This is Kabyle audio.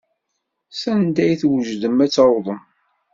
Sanda i twejdem ad tawḍem?